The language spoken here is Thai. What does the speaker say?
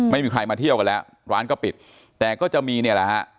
ไม่มีใครมาเที่ยวกันแล้วร้านก็ปิดแต่ก็จะมีเนี่ยแหละฮะ